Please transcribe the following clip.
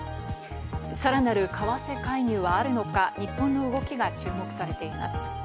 さらなる為替介入はあるのか、日本の動きが注目されています。